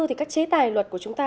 thì các chế tài luật của chúng ta